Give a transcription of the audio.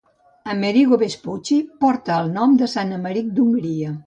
Amerigo Vespucci porta el nom de Sant Emeric d'Hongria.